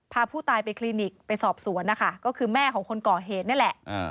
พาผู้ตายไปคลินิกไปสอบสวนนะคะก็คือแม่ของคนก่อเหตุนี่แหละ